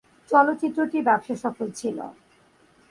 চলচ্চিত্রটি ব্যবসাসফল ছিলো।